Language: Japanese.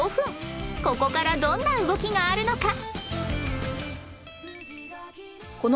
ここからどんな動きがあるのか？